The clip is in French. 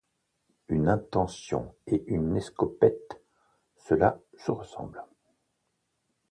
Une intention et une escopette, cela se ressemble.